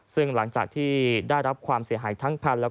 ซึ่งหลังจากที่ได้รับความเสียหายทั้งคัน